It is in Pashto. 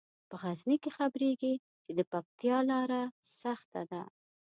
په غزني کې خبریږي چې د پکتیا لیاره سخته ده.